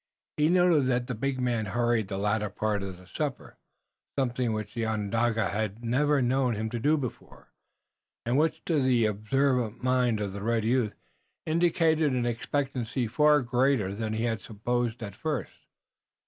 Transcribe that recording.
He noted that the big man hurried the latter part of the supper, something which the Onondaga had never known him to do before, and which, to the observant mind of the red youth, indicated an expectancy far greater than he had supposed at first.